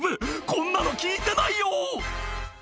「こんなの聞いてないよ！」